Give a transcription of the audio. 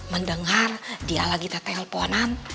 mendengar dia lagi ke teleponan